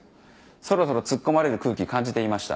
そろそろ突っ込まれる空気感じていました。